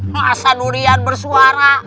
masa durian bersuara